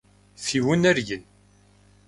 Фи унэр ин?